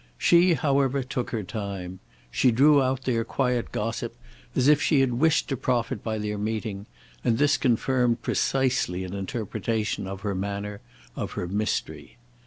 She however took her time; she drew out their quiet gossip as if she had wished to profit by their meeting, and this confirmed precisely an interpretation of her manner, of her mystery.